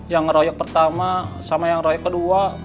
yang ngeroyok pertama sama yang royok kedua